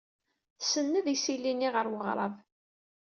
Tsenned isili-nni ɣer weɣrab.